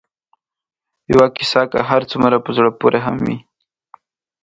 یوه کیسه که هر څومره په زړه پورې هم وي